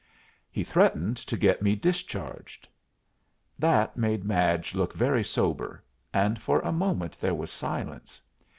"He threatened to get me discharged." That made Madge look very sober, and for a moment there was silence.